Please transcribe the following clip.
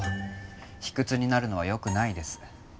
卑屈になるのはよくないです。